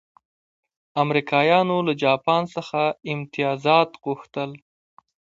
امریکایانو له جاپان څخه امتیازات وغوښتل.